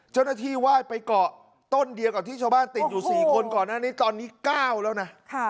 เจ้าหน้าที่ไหว้ไปเกาะต้นเดียวกับที่ชาวบ้านติดอยู่๔คนก่อนหน้านี้ตอนนี้๙แล้วนะ